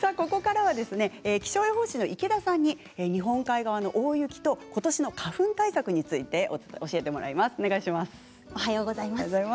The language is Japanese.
ここからは気象予報士の池田さんに日本海側の大雪とことしの花粉対策について教えてもらいます。